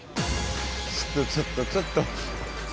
ちょっとちょっとちょっと。